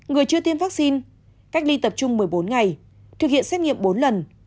người chưa tiêm vaccine cách ly tập trung một mươi bốn ngày thực hiện xét nghiệm bốn lần